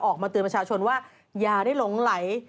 ออกมาเตือนประชาชนว่าอย่าได้หลงไหล